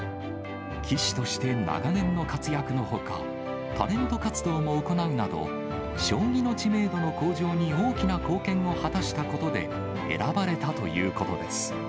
棋士として長年の活躍のほか、タレント活動も行うなど、将棋の知名度の向上に大きな貢献を果たしたことで選ばれたということです。